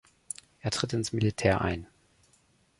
Er tritt ins Militär ein.